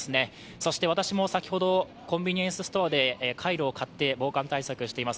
そして私も先ほどコンビニエンスストアでカイロを買って防寒対策しています。